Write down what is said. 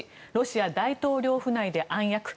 １ロシア大統領府内で暗躍